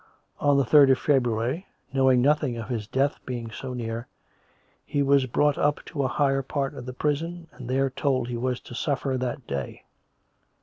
"' On the third of February, knowing nothing of his death being so near, he was brought up to a higher part of the prison, and there told he was to suffer that day.